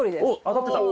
当たってた。